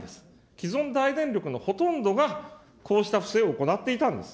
既存大電力のほとんどが、こうした不正を行っていたんです。